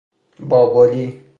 بابلی